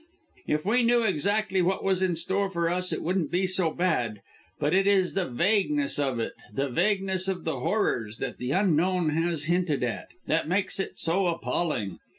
If we knew exactly what was in store for us it wouldn't be so bad, but it is the vagueness of it, the vagueness of the horrors that the Unknown has hinted at, that makes it so appalling!